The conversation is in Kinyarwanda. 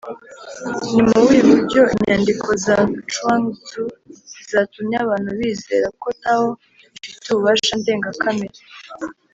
ni mu buhe buryo inyandiko za chuang-tzu zatumye abantu bizera ko tao ifite ububasha ndengakamere?